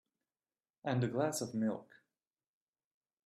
And a glass of milk.